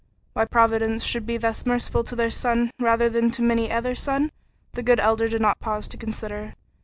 Why Providence should be thus merciful to their son rather than to many another son, the good Elder did not pause to consider.